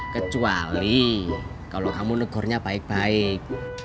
kecuali kalau kamu negornya baik baik